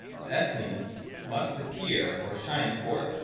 ] The Essence must appear or shine forth.